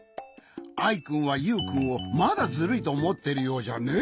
アイくんはユウくんをまだズルいとおもっているようじゃねえ。